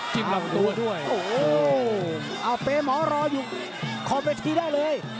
ลำตัวด้วยโอ้โหเอาเปย์หมอรออยู่ขอบเวทีได้เลย